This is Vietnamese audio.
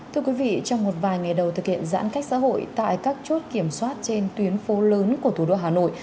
thưa quý vị trong một vài ngày đầu thực hiện giãn cách xã hội tại các chốt kiểm soát trên tuyến phố lớn của thủ đô hà nội